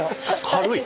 軽い？